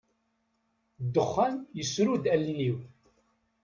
Dexxan yesru-d allen-iw.